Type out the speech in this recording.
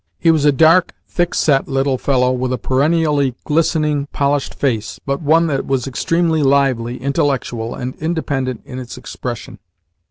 He was a dark, thick set little fellow, with a perennially glistening, polished face, but one that was extremely lively, intellectual, and independent in its expression.